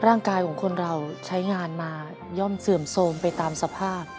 ร่างกายของคนเราใช้งานมาย่อมเสื่อมโทรมไปตามสภาพ